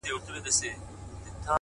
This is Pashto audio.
ګواکي« هغسي غر هغسي کربوړی -